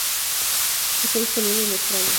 Está disponible en Australia.